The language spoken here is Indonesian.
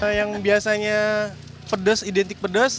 nah yang biasanya pedes identik pedes